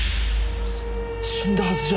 死んだはずじゃ。